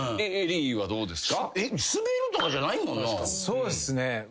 そうっすね。